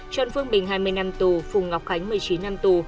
trần phương bình hai mươi năm tù phùng ngọc khánh một mươi chín năm tù